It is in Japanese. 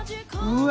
うわ。